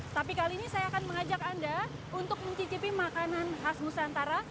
tapi kali ini saya akan mengajak anda untuk mencicipi makanan khas nusantara